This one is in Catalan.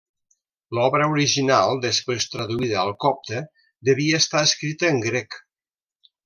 L'obra original, després traduïda al copte, devia estar escrita en grec.